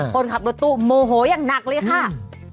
คนขับรถตู้โมโหอย่างหนักเลยค่ะ